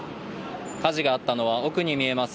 火事があったのは奥に見えます